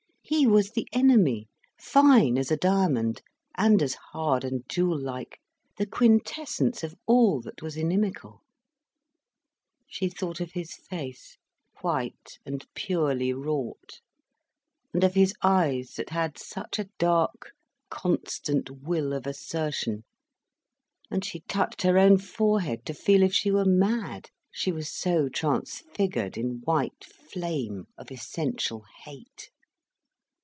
He was the enemy, fine as a diamond, and as hard and jewel like, the quintessence of all that was inimical. She thought of his face, white and purely wrought, and of his eyes that had such a dark, constant will of assertion, and she touched her own forehead, to feel if she were mad, she was so transfigured in white flame of essential hate.